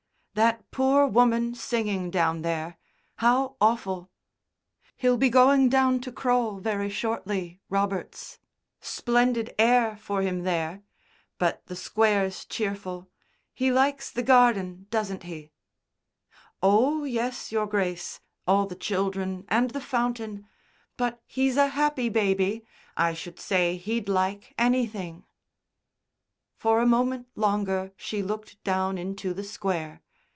"That poor woman singing down there. How awful! He'll be going down to Crole very shortly, Roberts. Splendid air for him there. But the Square's cheerful. He likes the garden, doesn't he?" "Oh, yes, Your Grace; all the children and the fountain. But he's a happy baby. I should say he'd like anything." For a moment longer she looked down into the Square.